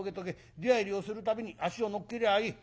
出はいりをする度に足を乗っけりゃいい。